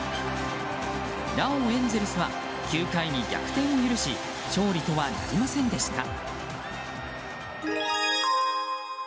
なおエンゼルスは９回に逆転を許し勝利とはなりませんでした。